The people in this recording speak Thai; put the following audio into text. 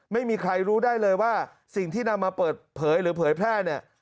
ไม่มีใครรู้ได้เลยว่าสิ่งที่นำมาเปิดเผยหรือเผยแพร่เนี่ย